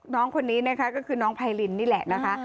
น้องคนนี้นะคะก็คือน้องไพรินนี่แหละนะคะ